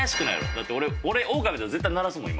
だって俺オオカミだったら絶対鳴らすもん今。